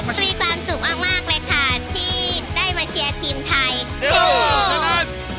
มีความสุขมากเลยค่ะ